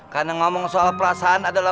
karena ngomong soal perasaan adalah